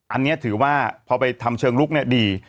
อันนี้ถือว่าพอไปทำเชิงลุกดี